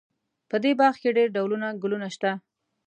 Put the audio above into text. په دې باغ کې ډېر ډولونه ګلونه شته